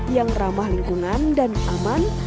yang ramah lingkungan dan aman